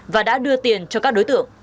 và đã đưa tiền cho các đối tượng